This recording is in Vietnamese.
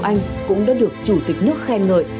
hành động dũng cảm của anh cũng đã được chủ tịch nước khen ngợi